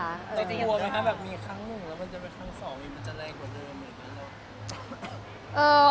มีครั้งหนึ่งแล้วมันจะเป็นครั้งสองมันจะอะไรกว่าเดิมเหมือนกันหรอ